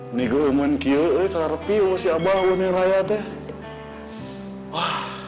ini gue emang kira kira siapa ini rakyatnya